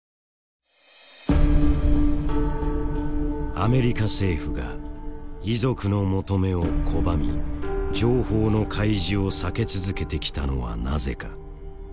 アメリカ政府が遺族の求めを拒み情報の開示を避け続けてきたのはなぜか。